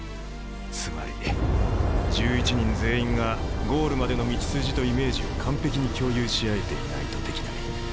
つまり１１人全員がゴールまでの道筋とイメージを完璧に共有し合えていないとできない。